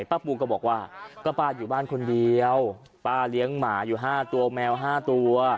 ป้าปูก็บอกว่าก็ป้าอยู่บ้านคนเดียวป้าเลี้ยงหมาอยู่ห้าตัวแมว๕ตัว